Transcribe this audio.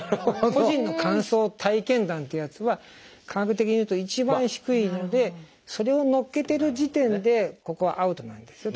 個人の感想体験談ってやつは科学的に言うと一番低いのでそれを載っけてる時点でここはアウトなんですよと。